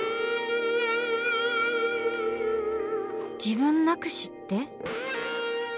自分なくしって？